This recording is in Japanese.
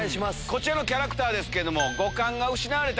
こちらのキャラクターですけど。